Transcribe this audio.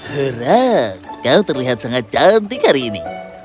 hera kau terlihat sangat cantik hari ini